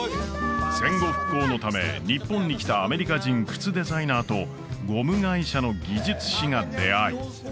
戦後復興のため日本に来たアメリカ人靴デザイナーとゴム会社の技術師が出会い